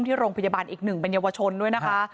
ที่โรงพยาบาลอีก๑บรรยาวชนด้วยนะคะ